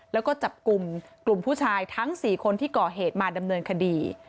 แล้วก็จับกลุ่มกลุ่มผู้ชายทั้ง๔คนที่ก่อเหตุมาดำเนินคดี